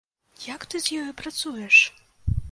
Як ты з ёю працуеш?